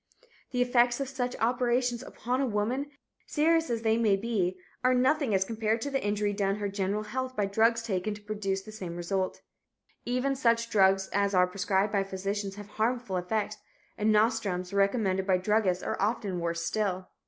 The effects of such operations upon a woman, serious as they may be, are nothing as compared to the injury done her general health by drugs taken to produce the same result. Even such drugs as are prescribed by physicians have harmful effects, and nostrums recommended by druggists are often worse still.